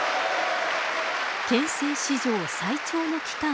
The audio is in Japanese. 憲政史上最長の期間